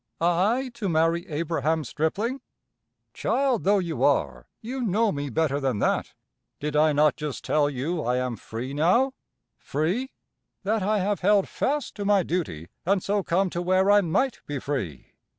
"I to marry Abraham Stripling! Child though you are, you know me better than that. Did I not just tell you I am free now free? That I have held fast to my duty, and so come to where I might be free?